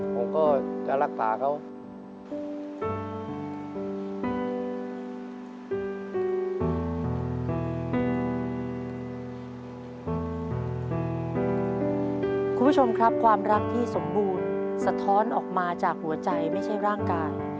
คุณผู้ชมครับความรักที่สมบูรณ์สะท้อนออกมาจากหัวใจไม่ใช่ร่างกาย